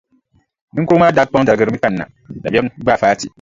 Niŋkurugu maa daa kpaŋ darigirimi kanna, ka dabiɛm gbaai Fati.